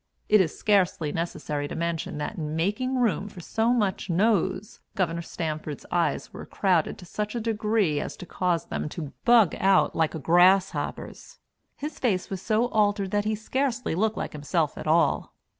It is scarcely necessary to mention that in making room for so much nose, Gov. Stanford's eyes were crowded to such a degree as to cause them to "bug out" like a grasshopper's. His face was so altered that he scarcely looked like himself at all.